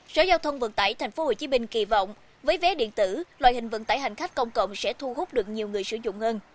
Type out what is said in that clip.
sở giao thông vận tải tp hcm kỳ vọng với vé điện tử loại hình vận tải hành khách công cộng sẽ thu hút được nhiều người sử dụng hơn